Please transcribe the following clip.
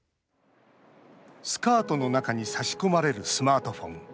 スカートの中に差し込まれるスマートフォン。